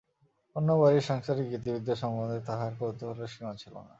অন্য বাড়ির সাংসারিক ইতিবৃত্ত সম্বন্ধে তাহার কৌতূহলের সীমা ছিল না।